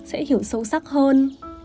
sẽ hiểu sâu sắc hơn